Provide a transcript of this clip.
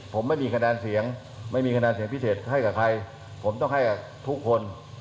ผมไม่มีคะแนนเสียงไม่มีคะแนนเสียงพิเศษให้กับใครผมต้องให้กับทุกคน